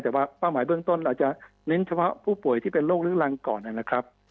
แต่ว่าเป้าหมายเบื้องต้นอาจจะเน้นเฉพาะผู้ป่วยที่เป็นโรคเรื้อรังก่อนนะครับ